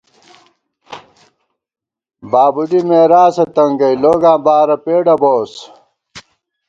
بابُوڈی میراثہ تنگئی لوگاں بارہ پېڈہ بوس